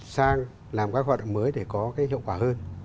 sang làm các hoạt động mới để có cái hiệu quả hơn